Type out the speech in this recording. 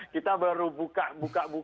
kita baru buka buka